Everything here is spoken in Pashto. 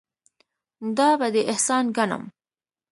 دا به دې احسان ګڼم.